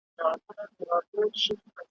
غریب سړي ته بازار هم کوهستان دئ ,